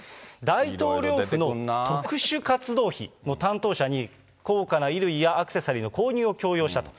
大統領府の特殊活動費の担当者に、高価な衣類やアクセサリーの購入を強要したと。